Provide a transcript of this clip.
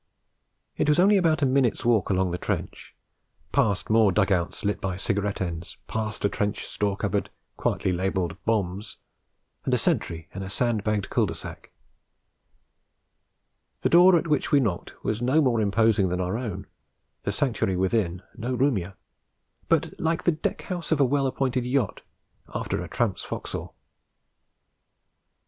It was only about a minute's walk along the trench, past more dug outs lit by cigarette ends, past a trench store cupboard quietly labelled BOMBS, and a sentry in a sand bagged cul de sac. The door at which we knocked was no more imposing than our own, the sanctuary within no roomier, but like the deck house of a well appointed yacht after a tramp's forecastle.